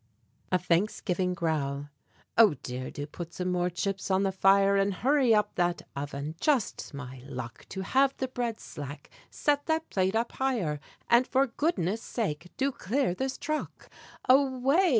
A THANKSGIVING GROWL. Oh, dear! do put some more chips on the fire, And hurry up that oven! Just my luck To have the bread slack. Set that plate up higher! And for goodness' sake do clear this truck Away!